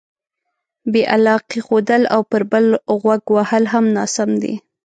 بې علاقې ښودل او پر بل غوږ وهل هم ناسم دي.